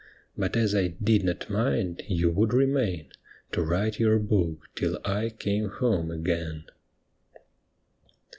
But as I did not mind, you would remain To write your book till I came home again.